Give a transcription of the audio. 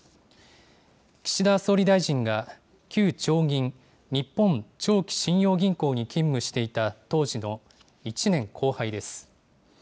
岸田総理大臣が旧長銀・日本長期信用銀行に勤務していた当時の１年後輩です。